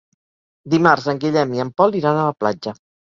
Dimarts en Guillem i en Pol iran a la platja.